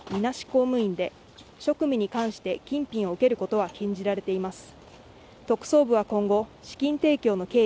公務員で職務に関して金品を受けることは禁じられています